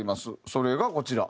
それがこちら。